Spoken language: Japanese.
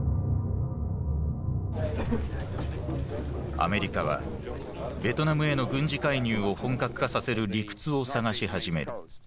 アメリカはベトナムへの軍事介入を本格化させる理屈を探し始める。